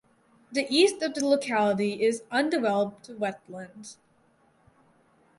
The east of the locality is undeveloped wetlands.